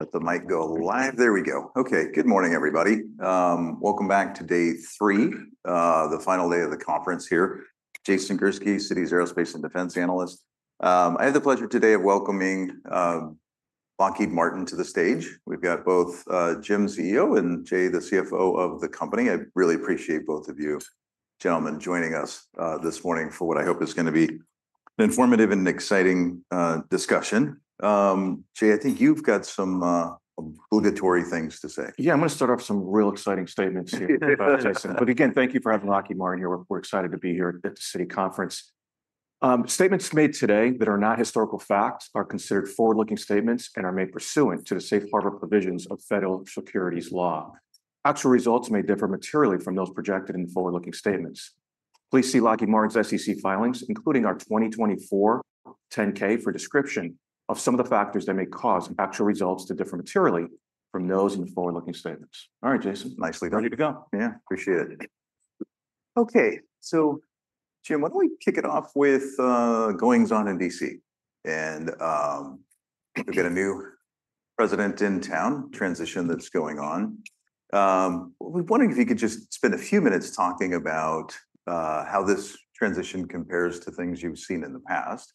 Let the mic go live. There we go. Okay, good morning, everybody. Welcome back to day three, the final day of the conference here. Jason Gursky, Citi's Aerospace and Defense Analyst. I have the pleasure today of welcoming Lockheed Martin to the stage. We've got both Jim, CEO, and Jay, the CFO of the company. I really appreciate both of you, gentlemen, joining us this morning for what I hope is going to be an informative and exciting discussion. Jay, I think you've got some obligatory things to say. Yeah, I'm going to start off some real exciting statements here, Jason. But again, thank you for having Lockheed Martin here. We're excited to be here at the Citi conference. Statements made today that are not historical facts are considered forward-looking statements and are made pursuant to the safe harbor provisions of federal securities law. Actual results may differ materially from those projected in the forward-looking statements. Please see Lockheed Martin's SEC filings, including our 2024 10-K for description of some of the factors that may cause actual results to differ materially from those in the forward-looking statements. All right, Jason. Nicely done. Ready to go. Yeah. Appreciate it. Okay, so Jim, why don't we kick it off with goings on in DC? And we've got a new president in town, transition that's going on. We're wondering if you could just spend a few minutes talking about how this transition compares to things you've seen in the past,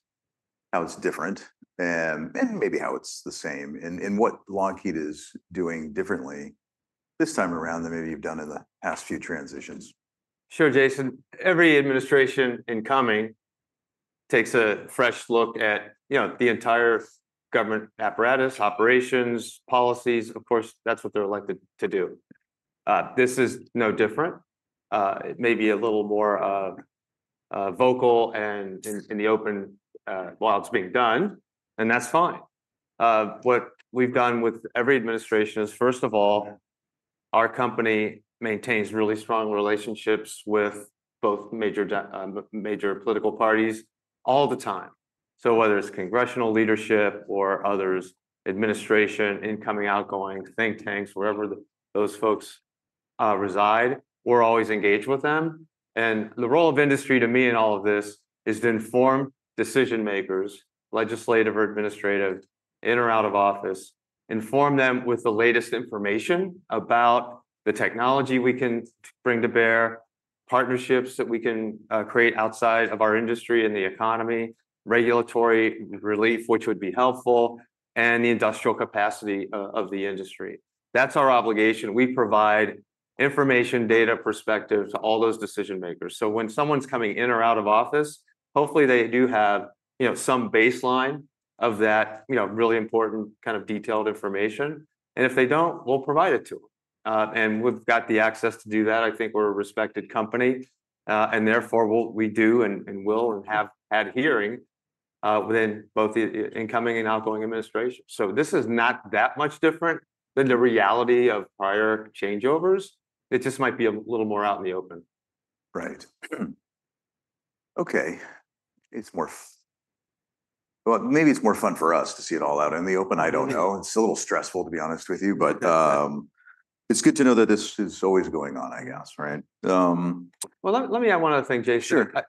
how it's different, and maybe how it's the same, and what Lockheed is doing differently this time around than maybe you've done in the past few transitions. Sure, Jason. Every administration incoming takes a fresh look at the entire government apparatus, operations, policies. Of course, that's what they're elected to do. This is no different. It may be a little more vocal and in the open while it's being done, and that's fine. What we've done with every administration is, first of all, our company maintains really strong relationships with both major political parties all the time. So whether it's congressional leadership or others, administration, incoming, outgoing, think tanks, wherever those folks reside, we're always engaged with them. And the role of industry to me in all of this is to inform decision makers, legislative or administrative, in or out of office, inform them with the latest information about the technology we can bring to bear, partnerships that we can create outside of our industry and the economy, regulatory relief, which would be helpful, and the industrial capacity of the industry. That's our obligation. We provide information, data, perspective to all those decision makers. So when someone's coming in or out of office, hopefully they do have some baseline of that really important kind of detailed information. And if they don't, we'll provide it to them. And we've got the access to do that. I think we're a respected company. And therefore, we do and will and have had hearing within both the incoming and outgoing administration. So this is not that much different than the reality of prior changeovers. It just might be a little more out in the open. Right. Okay. It's more fun. Well, maybe it's more fun for us to see it all out in the open. I don't know. It's a little stressful, to be honest with you. But it's good to know that this is always going on, I guess, right? Well, let me add one other thing, Jason.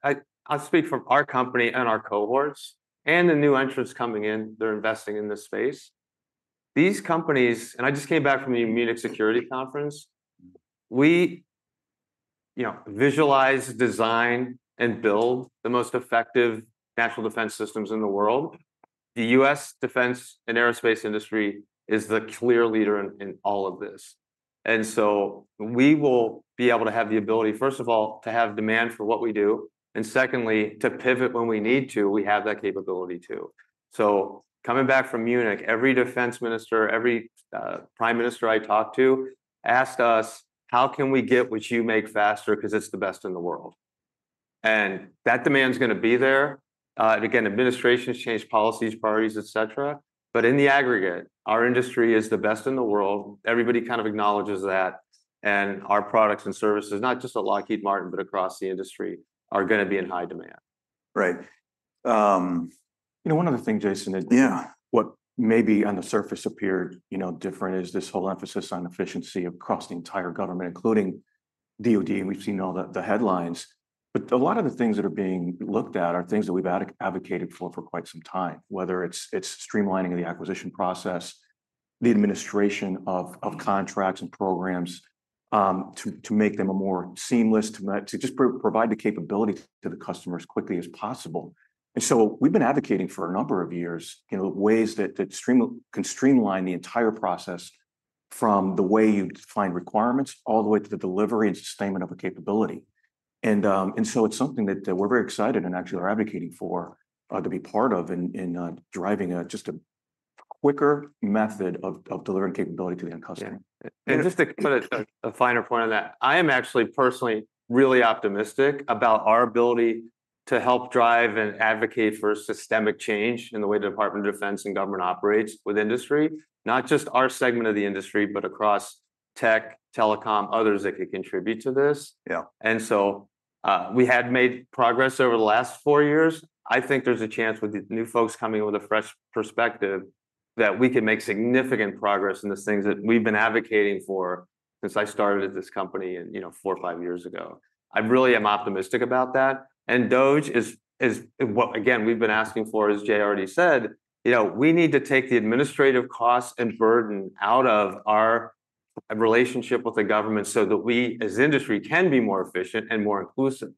Sure. I'll speak from our company and our cohorts and the new entrants coming in. They're investing in this space. These companies, and I just came back from the Munich Security Conference, we visualize, design, and build the most effective national defense systems in the world. The U.S. defense and aerospace industry is the clear leader in all of this. And so we will be able to have the ability, first of all, to have demand for what we do. And secondly, to pivot when we need to. We have that capability too. So coming back from Munich, every defense minister, every prime minister I talked to asked us, "How can we get what you make faster because it's the best in the world?" And that demand is going to be there. And again, administrations change policies, priorities, etc. But in the aggregate, our industry is the best in the world. Everybody kind of acknowledges that. And our products and services, not just at Lockheed Martin, but across the industry, are going to be in high demand. Right. You know, one other thing, Jason, what maybe on the surface appeared different is this whole emphasis on efficiency across the entire government, including DOD. We've seen all the headlines, but a lot of the things that are being looked at are things that we've advocated for for quite some time, whether it's streamlining the acquisition process, the administration of contracts and programs to make them more seamless, to just provide the capability to the customers as quickly as possible, and so we've been advocating for a number of years ways that can streamline the entire process from the way you define requirements all the way to the delivery and sustainment of a capability, and so it's something that we're very excited and actually are advocating for to be part of in driving just a quicker method of delivering capability to the end customer. Just to put a finer point on that, I am actually personally really optimistic about our ability to help drive and advocate for systemic change in the way the Department of Defense and government operates with industry, not just our segment of the industry, but across tech, telecom, others that could contribute to this. So we had made progress over the last four years. I think there's a chance with new folks coming with a fresh perspective that we can make significant progress in the things that we've been advocating for since I started at this company four or five years ago. I really am optimistic about that. DOGE is what, again, we've been asking for, as Jay already said. We need to take the administrative costs and burden out of our relationship with the government so that we, as industry, can be more efficient and more inclusive.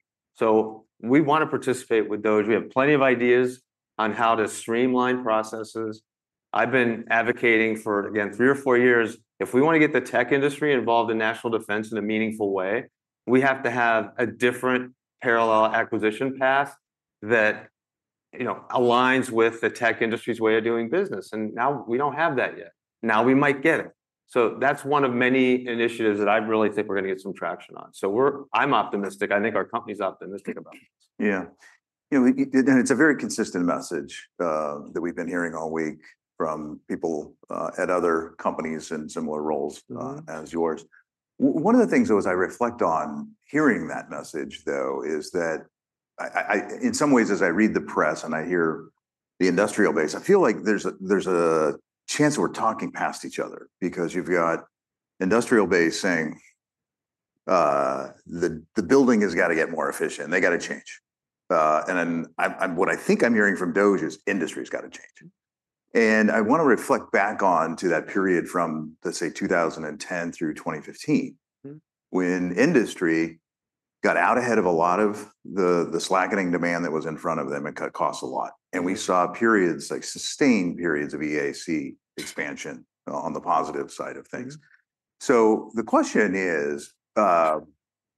We want to participate with DOGE. We have plenty of ideas on how to streamline processes. I've been advocating for, again, three or four years. If we want to get the tech industry involved in national defense in a meaningful way, we have to have a different parallel acquisition path that aligns with the tech industry's way of doing business. Now we don't have that yet. Now we might get it. That's one of many initiatives that I really think we're going to get some traction on. I'm optimistic. I think our company is optimistic about this. Yeah. And it's a very consistent message that we've been hearing all week from people at other companies in similar roles as yours. One of the things, though, as I reflect on hearing that message, though, is that in some ways, as I read the press and I hear the industrial base, I feel like there's a chance we're talking past each other because you've got industrial base saying the government has got to get more efficient. They got to change. And what I think I'm hearing from DOGE is industry has got to change. And I want to reflect back on to that period from, let's say, 2010 through 2015, when industry got out ahead of a lot of the slackening demand that was in front of them and cut costs a lot. And we saw periods, sustained periods of EAC expansion on the positive side of things. So the question is, and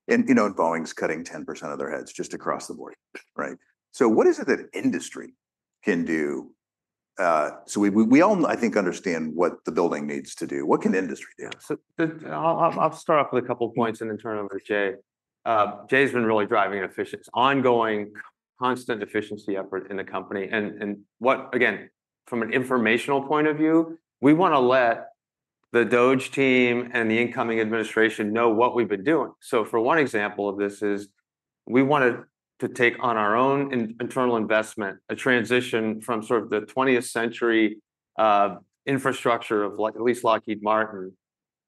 Boeing's cutting 10% of their heads just across the board. Right? So what is it that industry can do? So we all, I think, understand what the building needs to do. What can industry do? I'll start off with a couple of points and then turn it over to Jay. Jay has been really driving an ongoing constant efficiency effort in the company, and again, from an informational point of view, we want to let the DOGE team and the incoming administration know what we've been doing. So, for one example of this, we want to take on our own internal investment, a transition from sort of the 20th century infrastructure of at least Lockheed Martin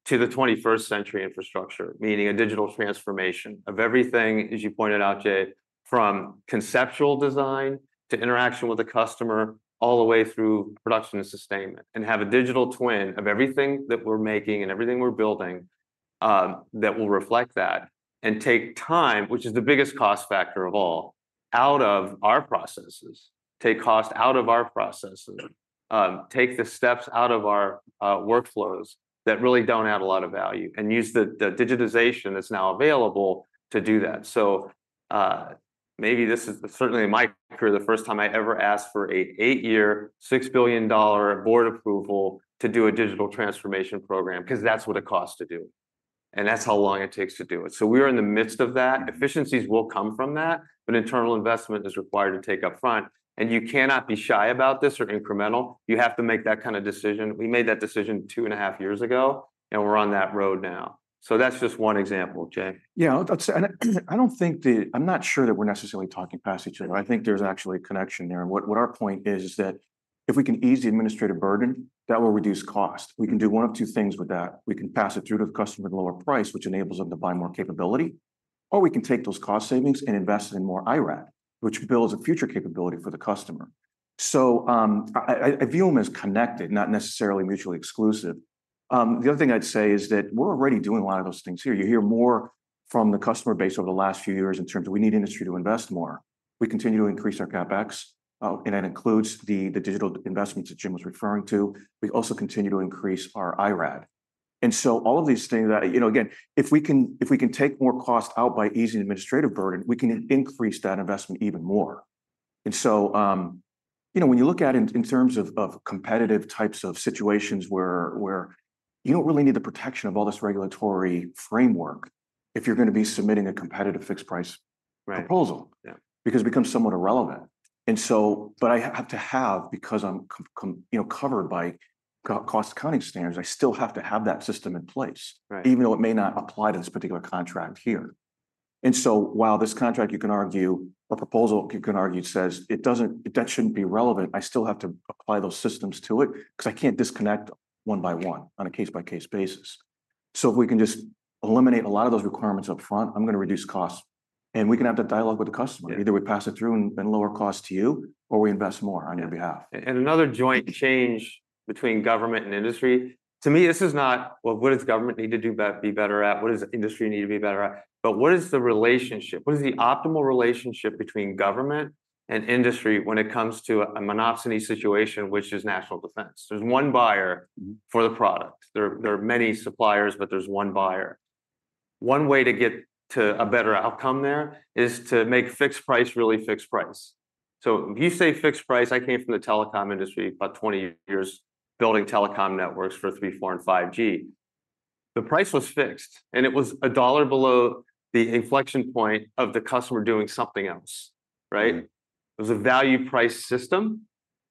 to the 21st century infrastructure, meaning a digital transformation of everything, as you pointed out, Jay, from conceptual design to interaction with the customer, all the way through production and sustainment, and have a digital twin of everything that we're making and everything we're building that will reflect that and take time, which is the biggest cost factor of all, out of our processes, take cost out of our processes, take the steps out of our workflows that really don't add a lot of value, and use the digitization that's now available to do that. Maybe this is certainly in my career, the first time I ever asked for an eight-year, $6 billion board approval to do a digital transformation program because that's what it costs to do. That's how long it takes to do it. We are in the midst of that. Efficiencies will come from that, but internal investment is required to take upfront. You cannot be shy about this or incremental. You have to make that kind of decision. We made that decision two and a half years ago, and we're on that road now. That's just one example, Jay. Yeah. I don't think that. I'm not sure that we're necessarily talking past each other. I think there's actually a connection there, and what our point is that if we can ease the administrative burden, that will reduce costs. We can do one of two things with that. We can pass it through to the customer at a lower price, which enables them to buy more capability, or we can take those cost savings and invest in more IRAD, which builds a future capability for the customer, so I view them as connected, not necessarily mutually exclusive. The other thing I'd say is that we're already doing a lot of those things here. You hear more from the customer base over the last few years in terms of we need industry to invest more. We continue to increase our CapEx, and that includes the digital investments that Jim was referring to. We also continue to increase our IRAD, and so all of these things that, again, if we can take more costs out by easing administrative burden, we can increase that investment even more, and so when you look at it in terms of competitive types of situations where you don't really need the protection of all this regulatory framework if you're going to be submitting a competitive fixed price proposal because it becomes somewhat irrelevant, and so, but I have to have because I'm covered by cost accounting standards, I still have to have that system in place, even though it may not apply to this particular contract here. And so while this contract, you can argue, a proposal, you can argue, says that shouldn't be relevant, I still have to apply those systems to it because I can't disconnect one by one on a case-by-case basis. So, if we can just eliminate a lot of those requirements upfront, I'm going to reduce costs, and we can have that dialogue with the customer. Either we pass it through and lower costs to you, or we invest more on your behalf. And another joint change between government and industry. To me, this is not, well, what does government need to be better at? What does industry need to be better at? But what is the relationship? What is the optimal relationship between government and industry when it comes to a monopsony situation, which is national defense? There's one buyer for the product. There are many suppliers, but there's one buyer. One way to get to a better outcome there is to make fixed price really fixed price. So if you say fixed price, I came from the telecom industry about 20 years building telecom networks for three, four, and 5G. The price was fixed, and it was $1 below the inflection point of the customer doing something else. Right? It was a value-price system,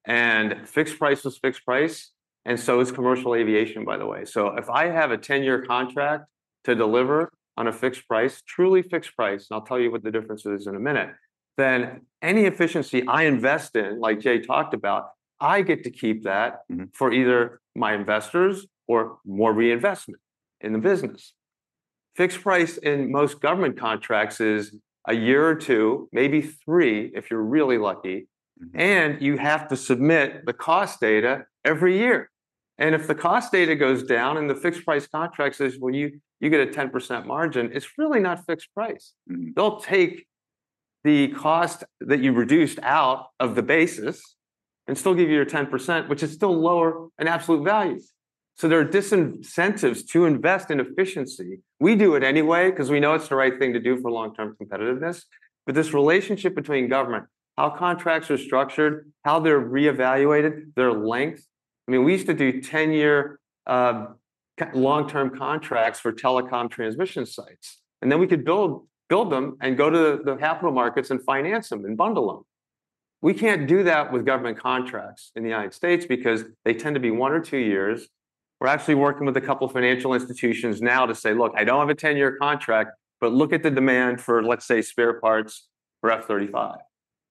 and fixed price was fixed price. And so is commercial aviation, by the way. So if I have a 10-year contract to deliver on a fixed price, truly fixed price, and I'll tell you what the difference is in a minute, then any efficiency I invest in, like Jay talked about, I get to keep that for either my investors or more reinvestment in the business. Fixed price in most government contracts is a year or two, maybe three if you're really lucky. And you have to submit the cost data every year. And if the cost data goes down and the fixed price contract says, well, you get a 10% margin, it's really not fixed price. They'll take the cost that you reduced out of the basis and still give you your 10%, which is still lower in absolute values. So there are disincentives to invest in efficiency. We do it anyway because we know it's the right thing to do for long-term competitiveness. But this relationship between government, how contracts are structured, how they're reevaluated, their length. I mean, we used to do 10-year long-term contracts for telecom transmission sites. And then we could build them and go to the capital markets and finance them and bundle them. We can't do that with government contracts in the United States because they tend to be one or two years. We're actually working with a couple of financial institutions now to say, look, I don't have a 10-year contract, but look at the demand for, let's say, spare parts for F-35.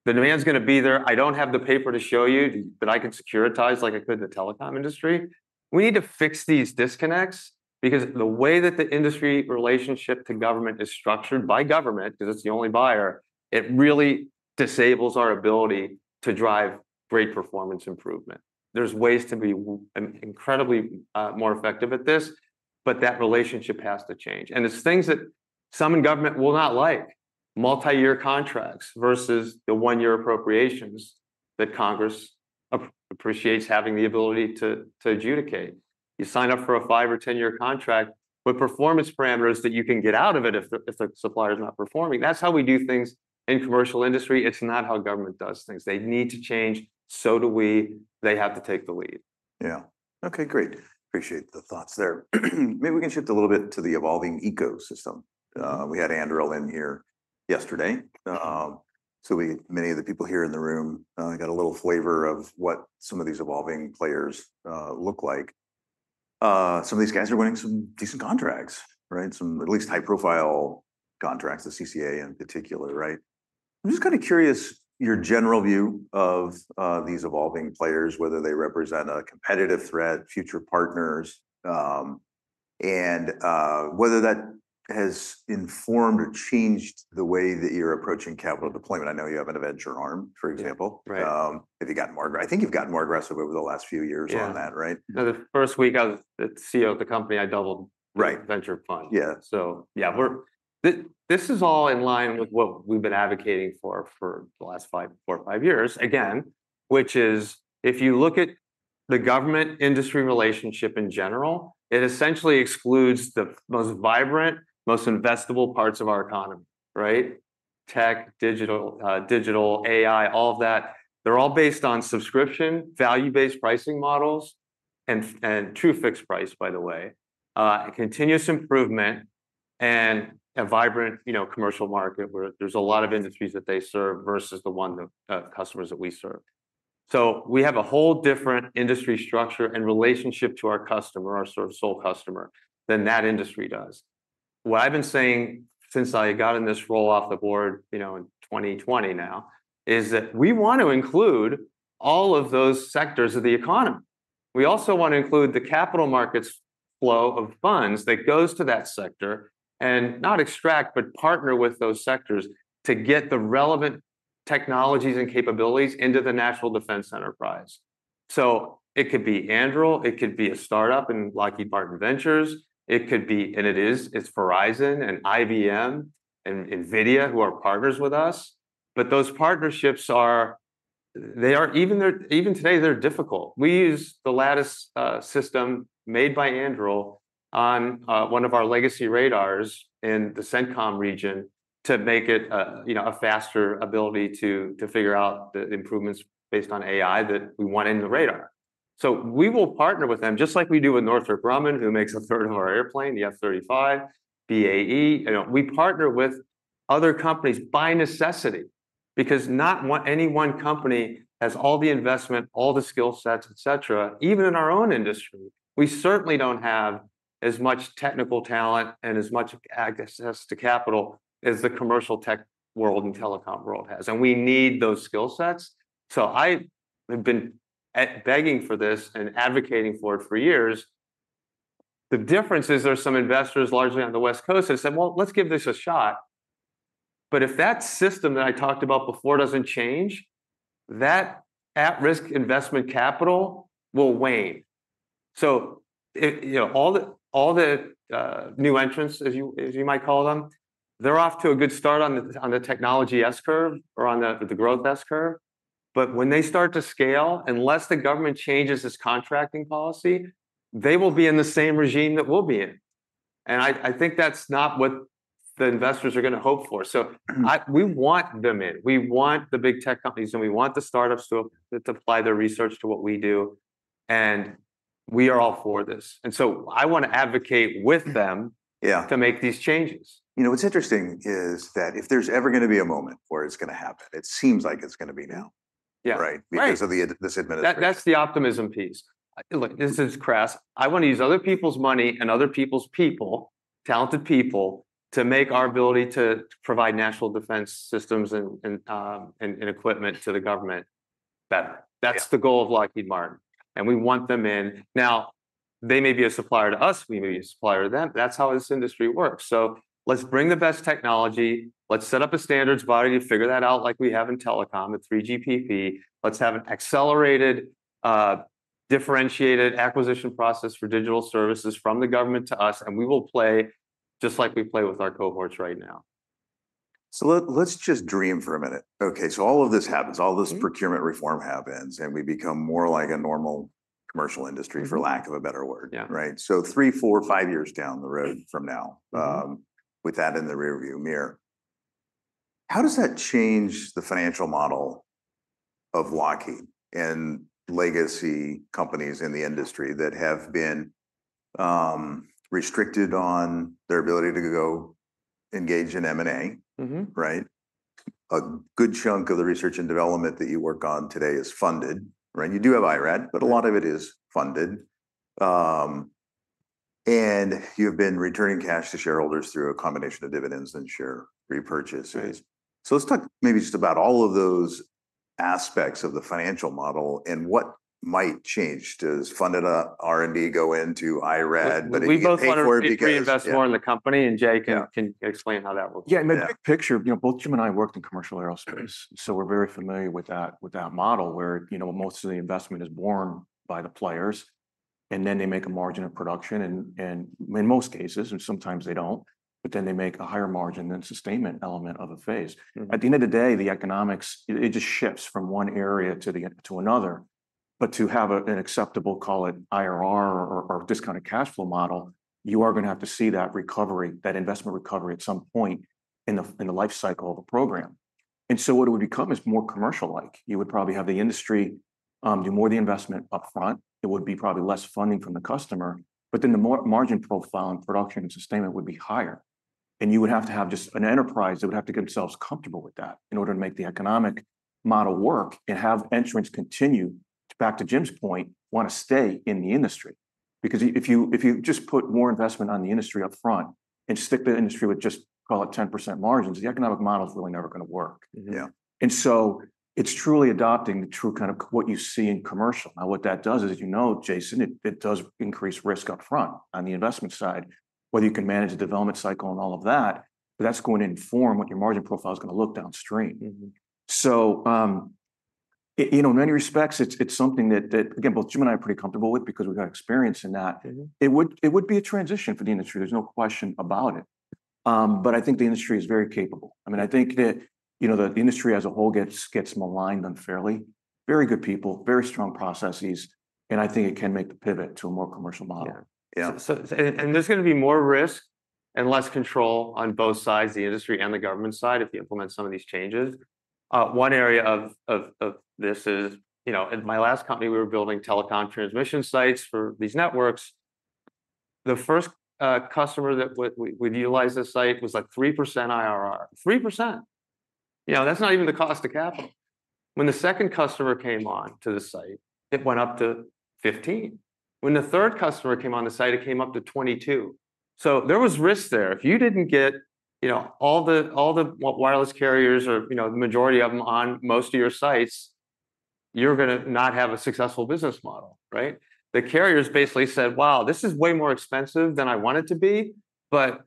The demand's going to be there. I don't have the paper to show you that I can securitize like I could in the telecom industry. We need to fix these disconnects because the way that the industry relationship to government is structured by government, because it's the only buyer, it really disables our ability to drive great performance improvement. There's ways to be incredibly more effective at this, but that relationship has to change, and there's things that some in government will not like, multi-year contracts versus the one-year appropriations that Congress appreciates having the ability to adjudicate. You sign up for a five or 10-year contract with performance parameters that you can get out of it if the supplier is not performing. That's how we do things in commercial industry. It's not how government does things. They need to change, so do we. They have to take the lead. Yeah. Okay, great. Appreciate the thoughts there. Maybe we can shift a little bit to the evolving ecosystem. We had Andrew in here yesterday. So many of the people here in the room got a little flavor of what some of these evolving players look like. Some of these guys are winning some decent contracts, right? Some at least high-profile contracts, the CCA in particular, right? I'm just kind of curious your general view of these evolving players, whether they represent a competitive threat, future partners, and whether that has informed or changed the way that you're approaching capital deployment. I know you have a venture arm, for example. If you gotten more aggressive. I think you've gotten more aggressive over the last few years on that, right? The first week as the CEO of the company, I doubled venture fund. So yeah, this is all in line with what we've been advocating for the last four or five years, again, which is if you look at the government-industry relationship in general, it essentially excludes the most vibrant, most investable parts of our economy, right? Tech, digital, AI, all of that. They're all based on subscription, value-based pricing models, and true fixed price, by the way, continuous improvement, and a vibrant commercial market where there's a lot of industries that they serve versus the one customers that we serve. So we have a whole different industry structure and relationship to our customer, our sort of sole customer, than that industry does. What I've been saying since I got in this role off the board in 2020 now is that we want to include all of those sectors of the economy. We also want to include the capital markets flow of funds that goes to that sector and not extract, but partner with those sectors to get the relevant technologies and capabilities into the national defense enterprise. So it could be Anduril, it could be a startup in Lockheed Martin Ventures, it could be, and it is, it's Verizon and IBM and NVIDIA who are partners with us. But those partnerships, even today, they're difficult. We use the Lattice system made by Anduril on one of our legacy radars in the CENTCOM region to make it a faster ability to figure out the improvements based on AI that we want in the radar. So we will partner with them, just like we do with Northrop Grumman, who makes a third of our airplane, the F-35, BAE. We partner with other companies by necessity because not any one company has all the investment, all the skill sets, et cetera. Even in our own industry, we certainly don't have as much technical talent and as much access to capital as the commercial tech world and telecom world has. And we need those skill sets. So I have been begging for this and advocating for it for years. The difference is there are some investors largely on the West Coast that said, well, let's give this a shot. But if that system that I talked about before doesn't change, that at-risk investment capital will wane. So all the new entrants, as you might call them, they're off to a good start on the technology S-curve or on the growth S-curve. But when they start to scale, unless the government changes its contracting policy, they will be in the same regime that we'll be in. And I think that's not what the investors are going to hope for. So we want them in. We want the big tech companies, and we want the startups to apply their research to what we do. And we are all for this. And so I want to advocate with them to make these changes. You know, what's interesting is that if there's ever going to be a moment where it's going to happen, it seems like it's going to be now, right? Because of this administration. That's the optimism piece. Look, this is crass. I want to use other people's money and other people's people, talented people, to make our ability to provide national defense systems and equipment to the government better. That's the goal of Lockheed Martin. And we want them in. Now, they may be a supplier to us. We may be a supplier to them. That's how this industry works. So let's bring the best technology. Let's set up a standards body. You figure that out like we have in telecom, the 3GPP. Let's have an accelerated differentiated acquisition process for digital services from the government to us. And we will play just like we play with our cohorts right now. Let's just dream for a minute. Okay. All of this happens. All this procurement reform happens, and we become more like a normal commercial industry, for lack of a better word, right? Three, four, five years down the road from now, with that in the rearview mirror, how does that change the financial model of Lockheed and legacy companies in the industry that have been restricted on their ability to go engage in M&A, right? A good chunk of the research and development that you work on today is funded, right? You do have IRAD, but a lot of it is funded. And you have been returning cash to shareholders through a combination of dividends and share repurchases. Let's talk maybe just about all of those aspects of the financial model and what might change to fund an R&D go into IRAD. We both want to reinvest more in the company, and Jay can explain how that works. Yeah. In the big picture, both Jim and I worked in commercial aerospace. So we're very familiar with that model where most of the investment is borne by the players, and then they make a margin of production. And in most cases, and sometimes they don't, but then they make a higher margin than sustainment element of a phase. At the end of the day, the economics, it just shifts from one area to another. But to have an acceptable, call it IRR or discounted cash flow model, you are going to have to see that recovery, that investment recovery at some point in the life cycle of a program. And so what it would become is more commercial-like. You would probably have the industry do more of the investment upfront. It would be probably less funding from the customer, but then the margin profile and production and sustainment would be higher. And you would have to have just an enterprise that would have to get themselves comfortable with that in order to make the economic model work and have entrants continue to, back to Jim's point, want to stay in the industry. Because if you just put more investment on the industry upfront and stick the industry with, just call it 10% margins, the economic model is really never going to work. Yeah. And so it's truly adopting the true kind of what you see in commercial. Now, what that does is, you know, Jason, it does increase risk upfront on the investment side, whether you can manage the development cycle and all of that, but that's going to inform what your margin profile is going to look downstream. So in many respects, it's something that, again, both Jim and I are pretty comfortable with because we've got experience in that. It would be a transition for the industry. There's no question about it. But I think the industry is very capable. I mean, I think that the industry as a whole gets maligned unfairly. Very good people, very strong processes. And I think it can make the pivot to a more commercial model. Yeah, and there's going to be more risk and less control on both sides, the industry and the government side, if you implement some of these changes. One area of this is, in my last company, we were building telecom transmission sites for these networks. The first customer that we'd utilize the site was like 3% IRR. 3%. That's not even the cost of capital. When the second customer came on to the site, it went up to 15%. When the third customer came on the site, it came up to 22%. So there was risk there. If you didn't get all the wireless carriers or the majority of them on most of your sites, you're going to not have a successful business model, right? The carriers basically said, wow, this is way more expensive than I want it to be. But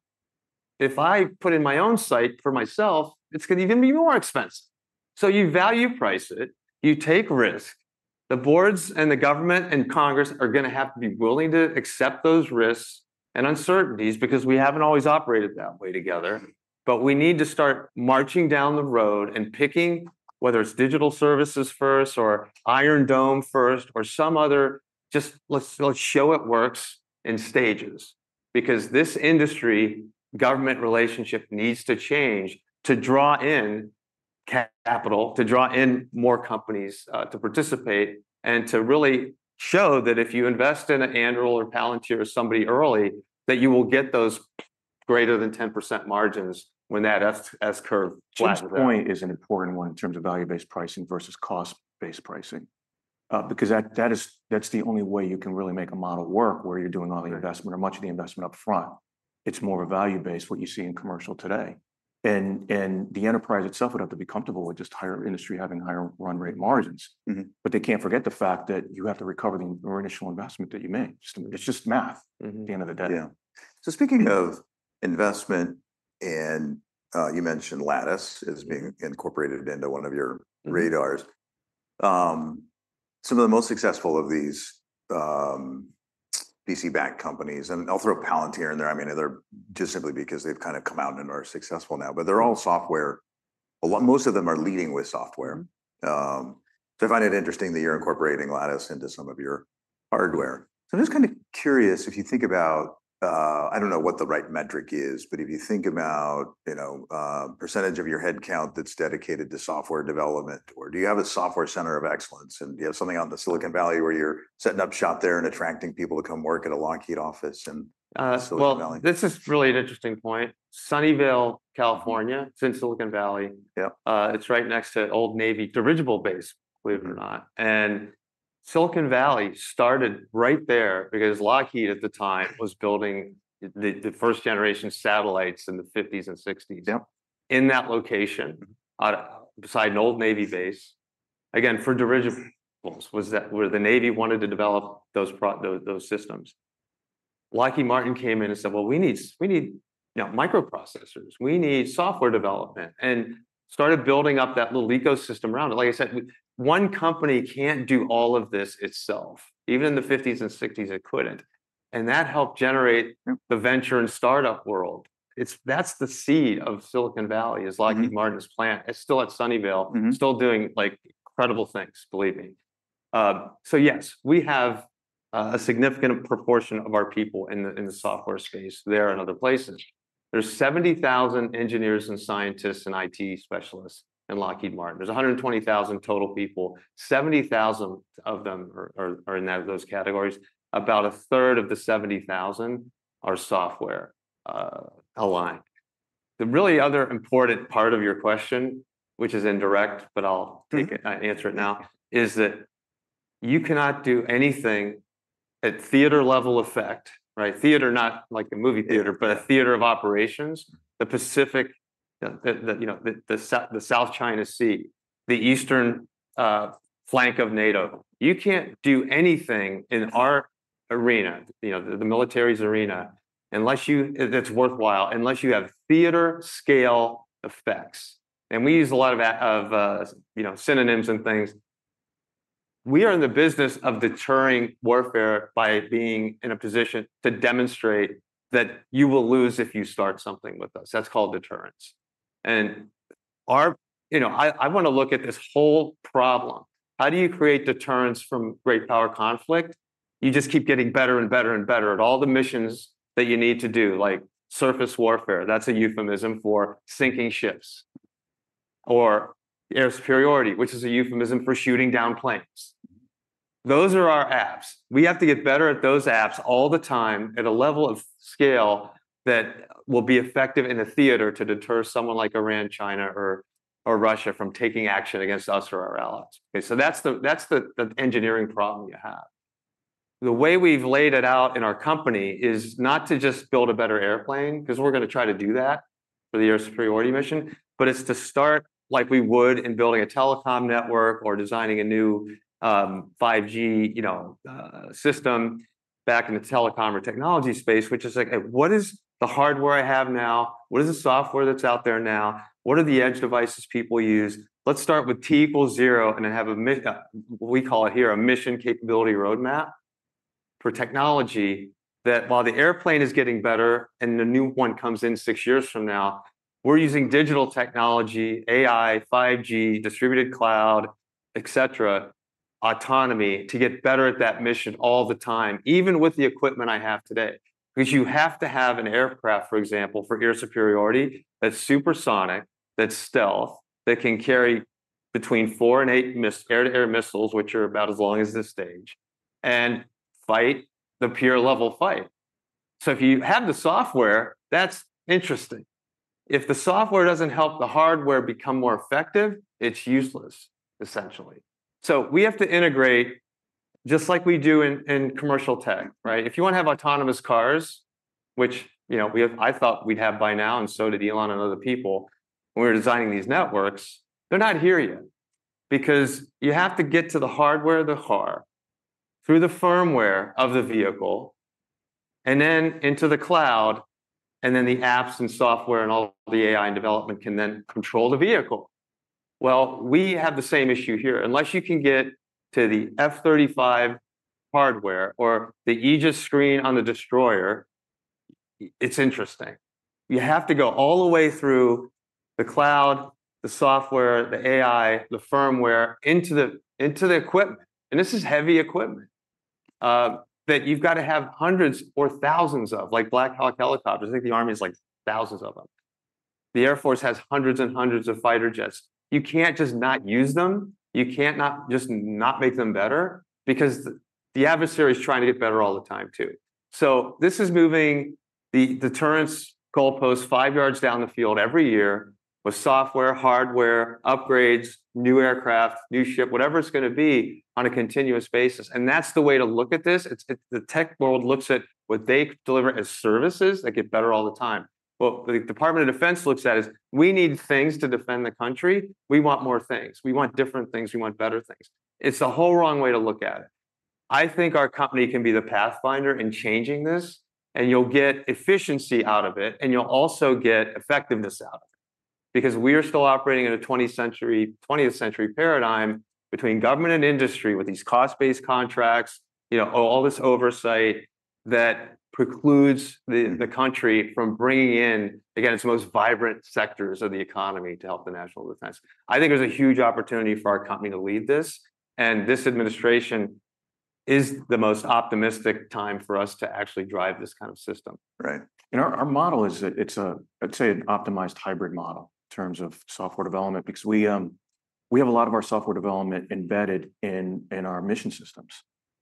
if I put in my own site for myself, it's going to even be more expensive. So you value price it. You take risk. The boards and the government and Congress are going to have to be willing to accept those risks and uncertainties because we haven't always operated that way together. But we need to start marching down the road and picking whether it's digital services first or Iron Dome first or some other, just let's show it works in stages. Because this industry government relationship needs to change to draw in capital, to draw in more companies to participate, and to really show that if you invest in an Anduril or Palantir or somebody early, that you will get those greater than 10% margins when that S-curve flattened out. That point is an important one in terms of value-based pricing versus cost-based pricing. Because that's the only way you can really make a model work where you're doing all the investment or much of the investment upfront. It's more value-based what you see in commercial today. And the enterprise itself would have to be comfortable with just higher industry having higher run rate margins. But they can't forget the fact that you have to recover the initial investment that you made. It's just math at the end of the day. Yeah. So speaking of investment, and you mentioned Lattice as being incorporated into one of your radars, some of the most successful of these VC backed companies, and I'll throw Palantir in there. I mean, they're just simply because they've kind of come out and are successful now, but they're all software. Most of them are leading with software. I find it interesting that you're incorporating Lattice into some of your hardware. I'm just kind of curious if you think about, I don't know what the right metric is, but if you think about percentage of your headcount that's dedicated to software development, or do you have a software center of excellence? Do you have something out in the Silicon Valley where you're setting up shop there and attracting people to come work at a Lockheed office? This is really an interesting point. Sunnyvale, California, it's in Silicon Valley. It's right next to old Navy dirigible base, believe it or not. Silicon Valley started right there because Lockheed at the time was building the first generation satellites in the '50s and '60s in that location beside an old Navy base. Again, for dirigibles, where the Navy wanted to develop those systems. Lockheed Martin came in and said, well, we need microprocessors. We need software development and started building up that little ecosystem around it. Like I said, one company can't do all of this itself. Even in the '50s and '60s, it couldn't. That helped generate the venture and startup world. That's the seed of Silicon Valley: Lockheed Martin's plant. It's still at Sunnyvale, still doing incredible things, believe me. So yes, we have a significant proportion of our people in the software space there and other places. There are 70,000 engineers and scientists and IT specialists in Lockheed Martin. There are 120,000 total people. 70,000 of them are in those categories. About a third of the 70,000 are software aligned. The really other important part of your question, which is indirect, but I'll answer it now, is that you cannot do anything at theater level effect, right? Theater, not like a movie theater, but a theater of operations, the Pacific, the South China Sea, the eastern flank of NATO. You can't do anything in our arena, the military's arena, unless it's worthwhile, unless you have theater scale effects. And we use a lot of synonyms and things. We are in the business of deterring warfare by being in a position to demonstrate that you will lose if you start something with us. That's called deterrence, and I want to look at this whole problem. How do you create deterrence from great power conflict? You just keep getting better and better and better at all the missions that you need to do, like surface warfare. That's a euphemism for sinking ships, or air superiority, which is a euphemism for shooting down planes. Those are our apps. We have to get better at those apps all the time at a level of scale that will be effective in a theater to deter someone like Iran, China, or Russia from taking action against us or our allies, that's the engineering problem you have. The way we've laid it out in our company is not to just build a better airplane because we're going to try to do that for the air superiority mission, but it's to start like we would in building a telecom network or designing a new 5G system back in the telecom or technology space, which is like, what is the hardware I have now? What is the software that's out there now? What are the edge devices people use? Let's start with T equals zero and then have what we call it here a mission capability roadmap for technology that while the airplane is getting better and the new one comes in six years from now, we're using digital technology, AI, 5G, distributed cloud, et cetera, autonomy to get better at that mission all the time, even with the equipment I have today. Because you have to have an aircraft, for example, for air superiority that's supersonic, that's stealth, that can carry between four and eight air-to-air missiles, which are about as long as this stage, and fight the peer level fight. So if you have the software, that's interesting. If the software doesn't help the hardware become more effective, it's useless, essentially. So we have to integrate just like we do in commercial tech, right? If you want to have autonomous cars, which I thought we'd have by now, and so did Elon and other people when we were designing these networks, they're not here yet. Because you have to get to the hardware of the car through the firmware of the vehicle and then into the cloud, and then the apps and software and all the AI and development can then control the vehicle. Well, we have the same issue here. Unless you can get to the F-35 hardware or the Aegis screen on the destroyer, it's interesting. You have to go all the way through the cloud, the software, the AI, the firmware into the equipment, and this is heavy equipment that you've got to have hundreds or thousands of, like Black Hawk helicopters. I think the Army has like thousands of them. The Air Force has hundreds and hundreds of fighter jets. You can't just not use them. You can't just not make them better because the adversary is trying to get better all the time too, so this is moving the deterrence goalpost five yards down the field every year with software, hardware, upgrades, new aircraft, new ship, whatever it's going to be on a continuous basis, and that's the way to look at this. The tech world looks at what they deliver as services that get better all the time. What the Department of Defense looks at is we need things to defend the country. We want more things. We want different things. We want better things. It's the whole wrong way to look at it. I think our company can be the pathfinder in changing this, and you'll get efficiency out of it, and you'll also get effectiveness out of it. Because we are still operating in a 20th-century paradigm between government and industry with these cost-based contracts, all this oversight that precludes the country from bringing in, again, its most vibrant sectors of the economy to help the national defense. I think there's a huge opportunity for our company to lead this, and this administration is the most optimistic time for us to actually drive this kind of system. Right. And our model is, I'd say, an optimized hybrid model in terms of software development because we have a lot of our software development embedded in our mission systems.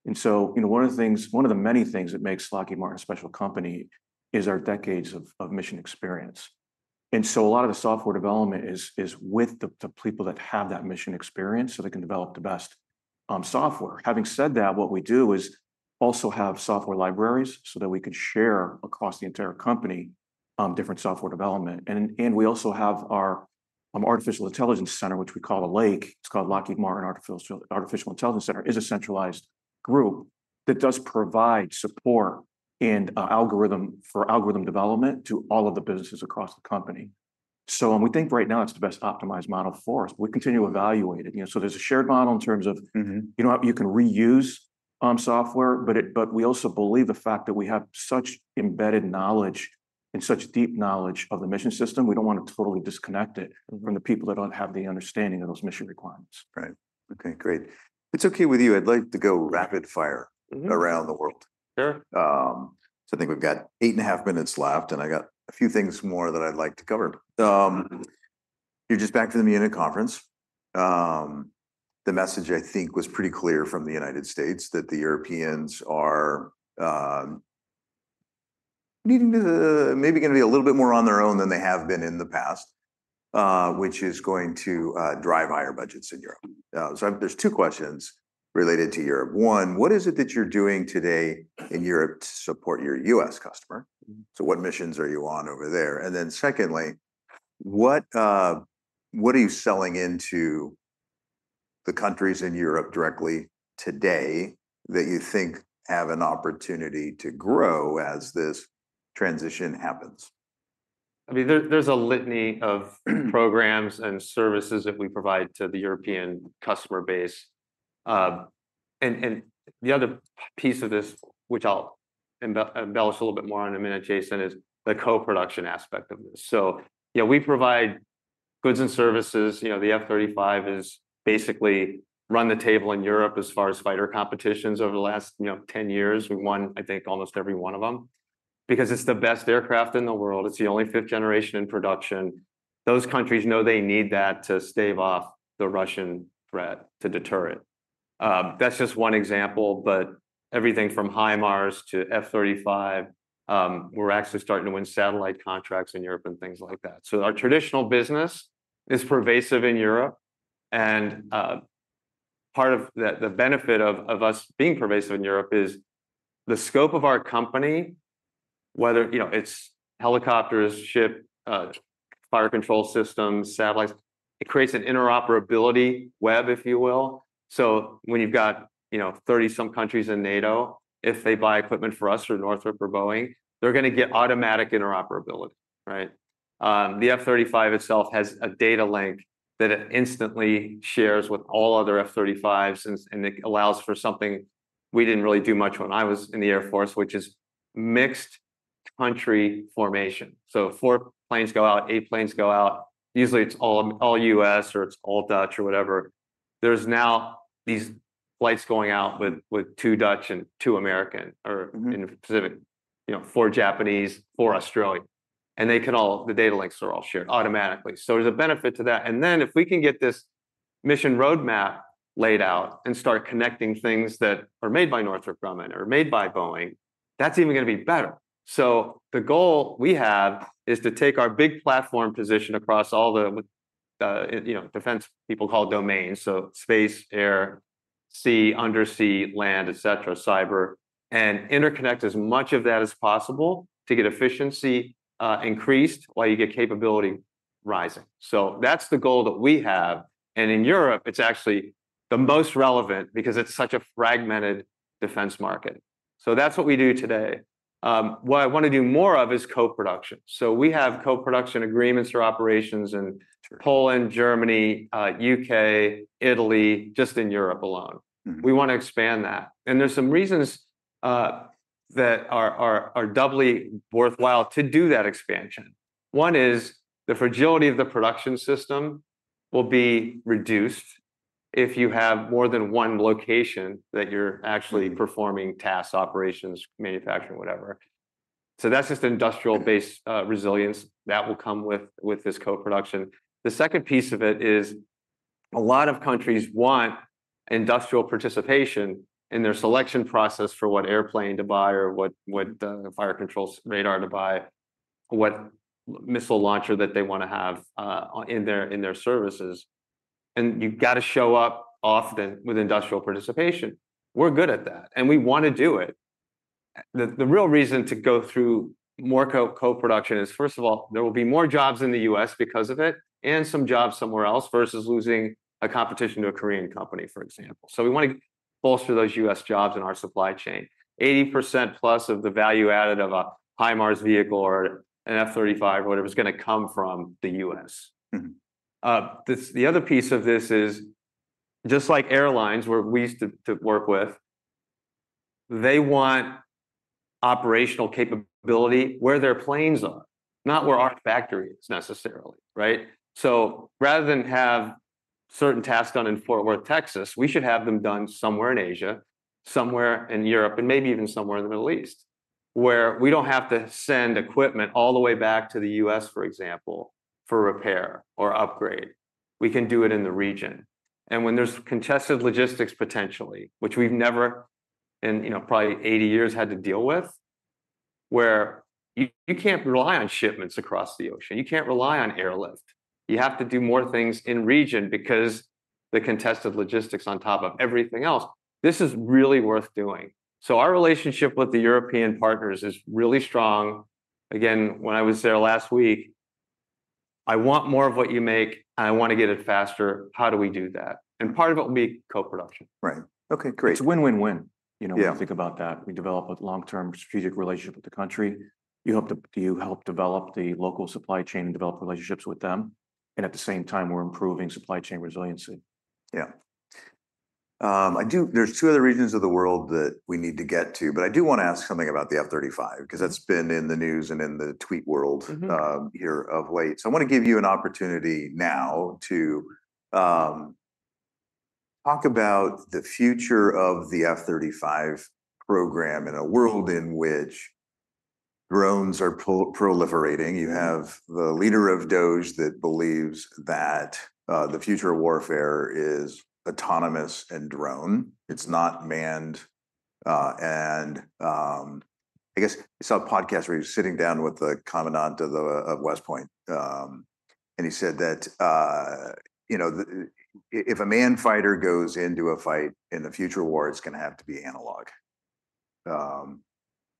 And so one of the things, one of the many things that makes Lockheed Martin a special company is our decades of mission experience. And so a lot of the software development is with the people that have that mission experience so they can develop the best software. Having said that, what we do is also have software libraries so that we can share across the entire company different software development. And we also have our artificial intelligence center, which we call a lake. It's called Lockheed Martin Artificial Intelligence Center. It is a centralized group that does provide support and algorithm for algorithm development to all of the businesses across the company. So we think right now it's the best optimized model for us. We continue to evaluate it. So there's a shared model in terms of you can reuse software, but we also believe the fact that we have such embedded knowledge and such deep knowledge of the mission system, we don't want to totally disconnect it from the people that don't have the understanding of those mission requirements. Right. Okay. Great. If it's okay with you, I'd like to go rapid fire around the world. So I think we've got eight and a half minutes left, and I got a few things more that I'd like to cover. You're just back from the Munich conference. The message, I think, was pretty clear from the United States that the Europeans are maybe going to be a little bit more on their own than they have been in the past, which is going to drive higher budgets in Europe. So there's two questions related to Europe. One, what is it that you're doing today in Europe to support your U.S. customer? So what missions are you on over there? And then secondly, what are you selling into the countries in Europe directly today that you think have an opportunity to grow as this transition happens? I mean, there's a litany of programs and services that we provide to the European customer base. And the other piece of this, which I'll embellish a little bit more in a minute, Jason, is the co-production aspect of this. So we provide goods and services. The F-35 has basically run the table in Europe as far as fighter competitions over the last 10 years. We won, I think, almost every one of them because it's the best aircraft in the world. It's the only fifth generation in production. Those countries know they need that to stave off the Russian threat to deter it. That's just one example, but everything from HIMARS to F-35, we're actually starting to win satellite contracts in Europe and things like that. So our traditional business is pervasive in Europe. And part of the benefit of us being pervasive in Europe is the scope of our company, whether it's helicopters, ships, fire control systems, satellites. It creates an interoperability web, if you will. So when you've got 30-some countries in NATO, if they buy equipment from us or Northrop or Boeing, they're going to get automatic interoperability, right? The F-35 itself has a data link that it instantly shares with all other F-35s, and it allows for something we didn't really do much when I was in the Air Force, which is mixed country formation. So four planes go out, eight planes go out. Usually, it's all U.S. or it's all Dutch or whatever. There's now these flights going out with two Dutch and two American or in the Pacific, four Japanese, four Australian. And the data links are all shared automatically. So there's a benefit to that. And then if we can get this mission roadmap laid out and start connecting things that are made by Northrop Grumman or made by Boeing, that's even going to be better. So the goal we have is to take our big platform position across all the defense people call domains, so space, air, sea, undersea, land, et cetera, cyber, and interconnect as much of that as possible to get efficiency increased while you get capability rising. So that's the goal that we have. And in Europe, it's actually the most relevant because it's such a fragmented defense market. So that's what we do today. What I want to do more of is co-production. So we have co-production agreements or operations in Poland, Germany, UK, Italy, just in Europe alone. We want to expand that. And there's some reasons that are doubly worthwhile to do that expansion. One is the fragility of the production system will be reduced if you have more than one location that you're actually performing tasks, operations, manufacturing, whatever. So that's just industrial-based resilience that will come with this co-production. The second piece of it is a lot of countries want industrial participation in their selection process for what airplane to buy or what fire control radar to buy, what missile launcher that they want to have in their services. And you've got to show up often with industrial participation. We're good at that, and we want to do it. The real reason to go through more co-production is, first of all, there will be more jobs in the U.S. because of it and some jobs somewhere else versus losing a competition to a Korean company, for example. So we want to bolster those U.S. jobs in our supply chain. 80% plus of the value added of a HIMARS vehicle or an F-35 or whatever is going to come from the U.S. The other piece of this is just like airlines where we used to work with, they want operational capability where their planes are, not where our factory is necessarily, right? So rather than have certain tasks done in Fort Worth, Texas, we should have them done somewhere in Asia, somewhere in Europe, and maybe even somewhere in the Middle East where we don't have to send equipment all the way back to the U.S., for example, for repair or upgrade. We can do it in the region. When there's contested logistics potentially, which we've never in probably 80 years had to deal with, where you can't rely on shipments across the ocean, you can't rely on airlift. You have to do more things in the region because the contested logistics on top of everything else. This is really worth doing, so our relationship with the European partners is really strong. Again, when I was there last week, I want more of what you make, and I want to get it faster. How do we do that, and part of it will be co-production. Right. Okay. Great. It's a win-win-win. We think about that. We develop a long-term strategic relationship with the country. You help develop the local supply chain and develop relationships with them. And at the same time, we're improving supply chain resiliency. Yeah .There's two other regions of the world that we need to get to, but I do want to ask something about the F-35 because that's been in the news and in the tweet world here of late. So I want to give you an opportunity now to talk about the future of the F-35 program in a world in which drones are proliferating. You have the leader of DOGE that believes that the future of warfare is autonomous and drone. It's not manned. And I guess I saw a podcast where he was sitting down with the commandant of West Point. And he said that if a manned fighter goes into a fight in the future war, it's going to have to be analog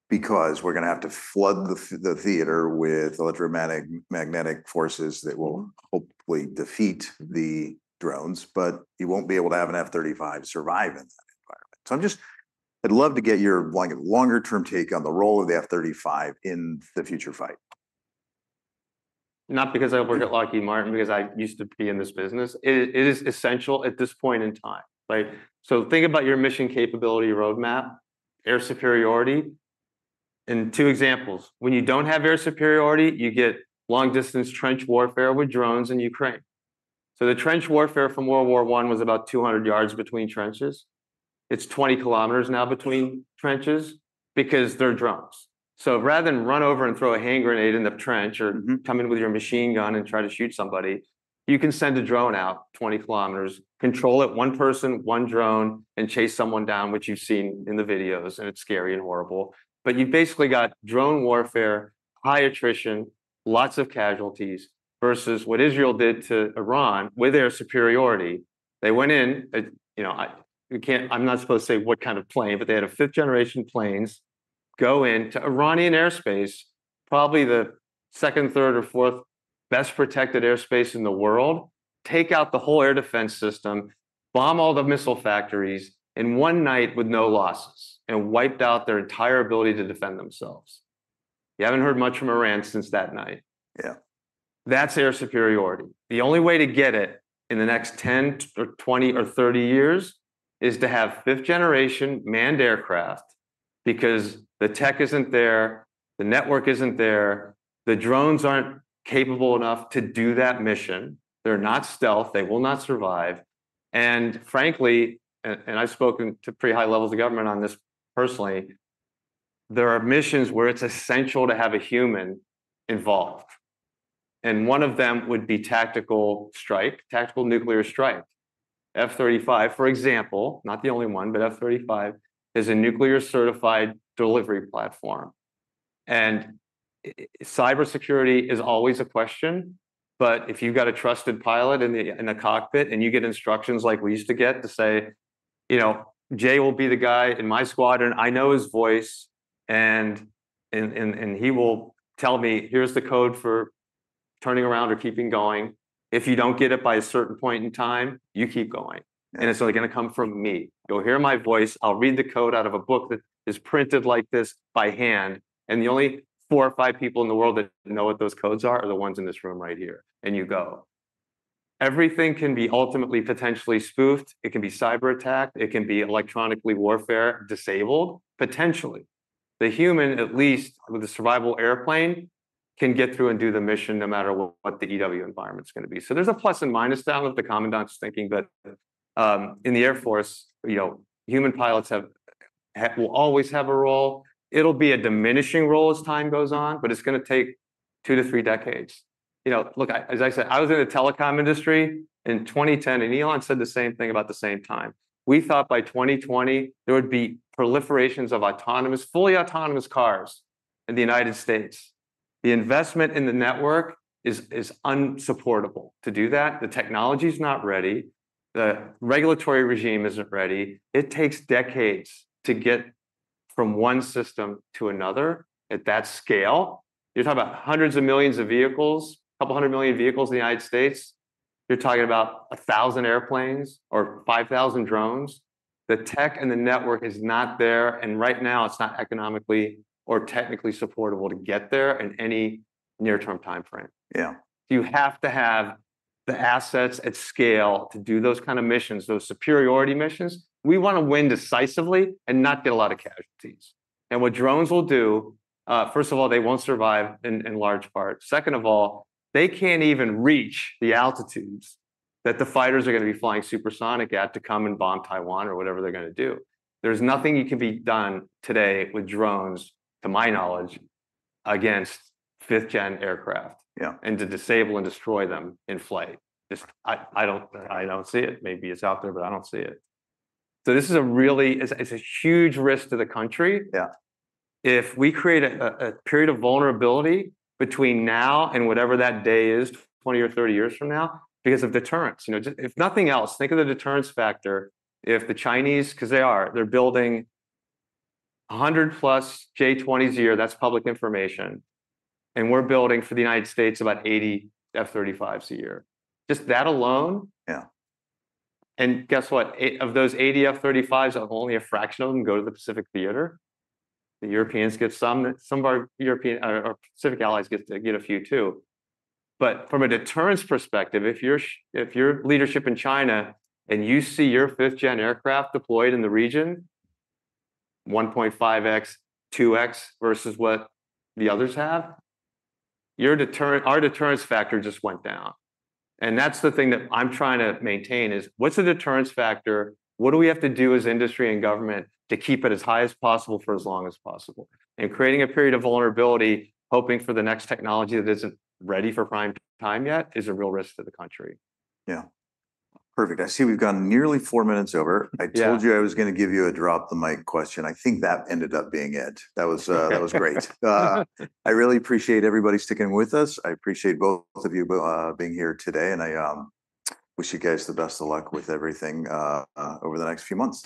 because we're going to have to flood the theater with electromagnetic forces that will hopefully defeat the drones, but you won't be able to have an F-35 survive in that environment. So I'd love to get your longer-term take on the role of the F-35 in the future fight. Not because I work at Lockheed Martin, because I used to be in this business. It is essential at this point in time, right? So think about your mission capability roadmap, air superiority and two examples. When you don't have air superiority, you get long-distance trench warfare with drones in Ukraine. So the trench warfare from World War I was about 200 yards between trenches. It's 20 kilometers now between trenches because they're drones. So rather than run over and throw a hand grenade in the trench or come in with your machine gun and try to shoot somebody, you can send a drone out 20 kilometers, control it, one person, one drone, and chase someone down, which you've seen in the videos, and it's scary and horrible, but you've basically got drone warfare, high attrition, lots of casualties versus what Israel did to Iran with air superiority. They went in. I'm not supposed to say what kind of plane, but they had fifth-generation planes go into Iranian airspace, probably the second, third, or fourth best protected airspace in the world, take out the whole air defense system, bomb all the missile factories in one night with no losses, and wiped out their entire ability to defend themselves. You haven't heard much from Iran since that night. Yeah, that's air superiority. The only way to get it in the next 10 or 20 or 30 years is to have fifth-generation manned aircraft because the tech isn't there, the network isn't there, the drones aren't capable enough to do that mission. They're not stealth. They will not survive. And frankly, and I've spoken to pretty high levels of government on this personally, there are missions where it's essential to have a human involved. One of them would be tactical strike, tactical nuclear strike. F-35, for example, not the only one, but F-35 is a nuclear-certified delivery platform. Cybersecurity is always a question, but if you've got a trusted pilot in the cockpit and you get instructions like we used to get to say, "Jay will be the guy in my squadron. I know his voice, and he will tell me, 'Here's the code for turning around or keeping going.' If you don't get it by a certain point in time, you keep going. And it's only going to come from me. You'll hear my voice. I'll read the code out of a book that is printed like this by hand. And the only four or five people in the world that know what those codes are are the ones in this room right here. And you go. Everything can be ultimately potentially spoofed. It can be cyber-attacked. It can be electronic warfare disabled, potentially. The human, at least with a survivable airplane, can get through and do the mission no matter what the EW environment's going to be. So there's a plus and minus down with the commandant's thinking that in the Air Force, human pilots will always have a role. It'll be a diminishing role as time goes on, but it's going to take two to three decades. Look, as I said, I was in the telecom industry in 2010, and Elon said the same thing about the same time. We thought by 2020, there would be proliferation of fully autonomous cars in the United States. The investment in the network is unsupportable to do that. The technology's not ready. The regulatory regime isn't ready. It takes decades to get from one system to another at that scale. You're talking about hundreds of millions of vehicles, a couple hundred million vehicles in the United States. You're talking about 1,000 airplanes or 5,000 drones. The tech and the network is not there. And right now, it's not economically or technically supportable to get there in any near-term timeframe. Yeah, you have to have the assets at scale to do those kinds of missions, those superiority missions. We want to win decisively and not get a lot of casualties. And what drones will do, first of all, they won't survive in large part. Second of all, they can't even reach the altitudes that the fighters are going to be flying supersonic at to come and bomb Taiwan or whatever they're going to do. There's nothing that can be done today with drones, to my knowledge, against fifth-gen aircraft and to disable and destroy them in flight. I don't see it. Maybe it's out there, but I don't see it. So this is a really huge risk to the country. Yeah, if we create a period of vulnerability between now and whatever that day is, 20 or 30 years from now, because of deterrence. If nothing else, think of the deterrence factor. If the Chinese, because they're building 100-plus J-20s a year, that's public information. And we're building for the United States about 80 F-35s a year. Just that alone. Yeah, and guess what? Of those 80 F-35s, only a fraction of them go to the Pacific theater. The Europeans get some. Some of our European or Pacific allies get a few too. But from a deterrence perspective, if your leadership in China and you see your 5th-gen aircraft deployed in the region, 1.5x, 2x versus what the others have, our deterrence factor just went down. And that's the thing that I'm trying to maintain is what's the deterrence factor? What do we have to do as industry and government to keep it as high as possible for as long as possible? And creating a period of vulnerability, hoping for the next technology that isn't ready for prime time yet is a real risk to the country. Yeah. Perfect. I see we've gone nearly four minutes over. I told you I was going to give you a drop-the-mic question. I think that ended up being it. That was great. I really appreciate everybody sticking with us. I appreciate both of you being here today. And I wish you guys the best of luck with everything over the next few months.